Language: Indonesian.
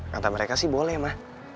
kata mereka sih boleh mah